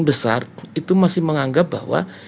besar itu masih menganggap bahwa